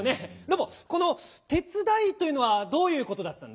ロボこの「てつだい」というのはどういうことだったんだ？